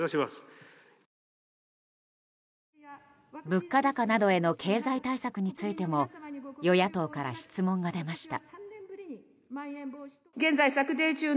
物価高などの経済対策についても与野党から質問が出ました。